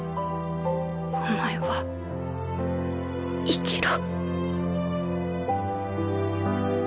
お前は生きろ。